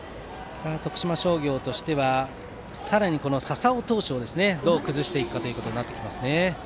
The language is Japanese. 徳島商業としてはさらに笹尾投手をどう崩していくかになってきますね。